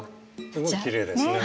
すごいきれいですね。